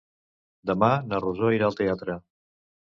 Demà na Rosó irà al teatre.